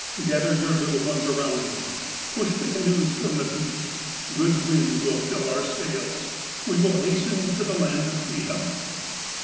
Gather your little ones around you. Push the canoes from the beach. Good wind will fill our sails ; We will hasten to the land of freedom."